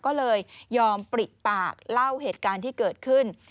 ก็เลยยอมปริปากเล่าเหตุการณ์ที่เกิดขึ้น